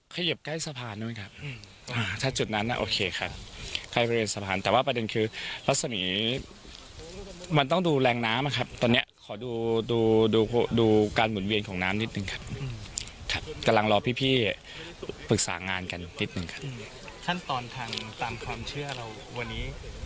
ขั้นตอนทางตามความเชื่อเราวันนี้นอกจากยังลัดผมแล้วยังจะมีขั้นตอนอะไร